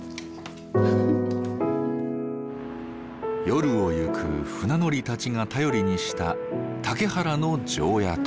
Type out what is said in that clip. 夜を行く船乗りたちが頼りにした竹原の常夜灯。